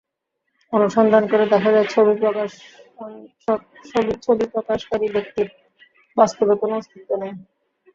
অনুসন্ধান করে দেখা যায় ছবি প্রকাশকারী ব্যক্তির বাস্তবে কোনো অস্তিত্ব নেই।